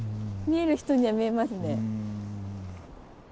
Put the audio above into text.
見える人には見えますね。